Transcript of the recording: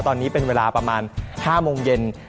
ตอนนี้เป็นเวลาประมาณ๕โมงเย็น